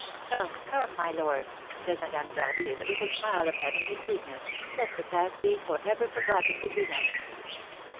"Come, come, my lord," said Madame d'Harville, with a smile of heavenly sweetness, "let the past be for ever forgotten between us."